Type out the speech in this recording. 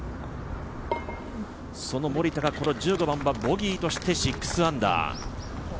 その森田がこの１５番はボギーとして６アンダー。